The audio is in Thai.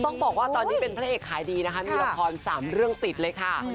ต้องบอกว่าตอนนี้เป็นพระเอกขายดีนะคะมีละคร๓เรื่องติดเลยค่ะ